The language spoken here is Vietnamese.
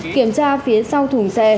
kiểm tra phía sau thùng xe